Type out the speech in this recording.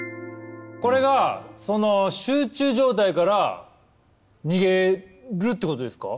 これがその集中状態から逃げるってことですか。